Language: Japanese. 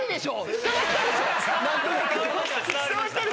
伝わったでしょ。